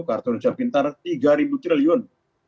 kartun sya pintar rp tiga triliun